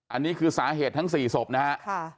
อันนี้คือสาเหตุทั้ง๔ศพนะครับ